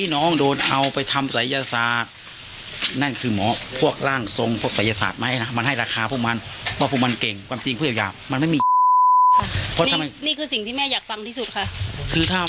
นี่นี่คือสิ่งที่แม่อยากฟังที่สุดค่ะ